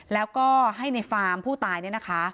แล้วก็ให้ในฟาร์มผู้ตายเนี่ยนะคะ